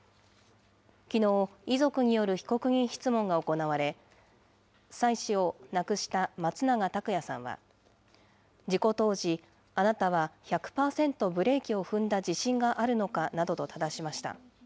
きのう、遺族による被告人質問が行われ、妻子を亡くした松永拓也さんは、事故当時、あなたは１００％ブレーキを踏んだ自信があるのかなどとただしました。